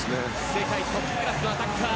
世界トップクラスのアタッカー。